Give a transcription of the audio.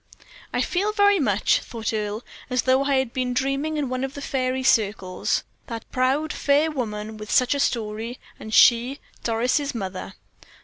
"I feel very much," thought Earle, "as though I had been dreaming in one of the fairy circles. That proud, fair woman with such a story; and she Doris' mother.